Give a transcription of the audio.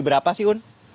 berapa sih un